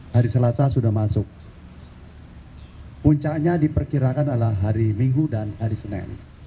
hari selasa sudah masuk puncaknya diperkirakan adalah hari minggu dan hari senin